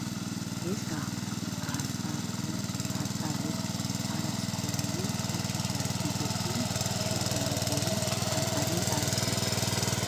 "ეს გახლდათ ტარტარენი, ტარტარენ ტარასკონელი, უშიშარი, დიდებული, შეუდა-რებელი ტარტარენ ტარასკონელი."